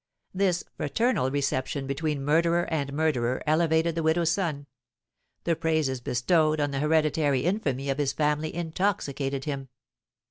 This fraternal reception between murderer and murderer elevated the widow's son; the praises bestowed on the hereditary infamy of his family intoxicated him.